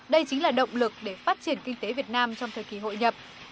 đây chính là động lực để phát triển kinh tế việt nam trong thời kỳ hội nhập